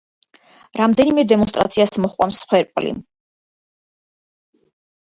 რამდენიმე დემონსტრაციას მოჰყვა მსხვერპლი მოჰყვა.